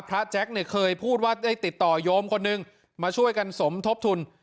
แจ๊คเนี่ยเคยพูดว่าได้ติดต่อโยมคนนึงมาช่วยกันสมทบทุน